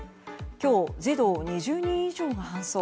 今日、児童２０人以上が搬送。